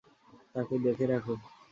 তাকে দেখে রাখো।